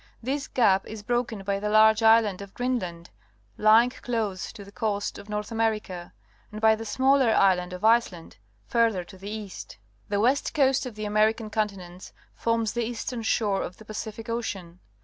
This gap is broken by the large island of Greenland, lying close to the coa«t of North America, and by the smaller island of Iceland, farther to the east. The west coast of the American con tinents forms the eastern shore of the Pacific Ocean.